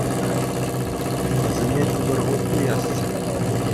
Вӗсене тепӗр хут туясчӗ.